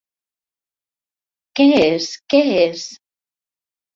Què és, què és?